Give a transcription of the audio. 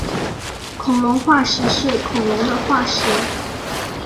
恐龙化石是恐龙的化石。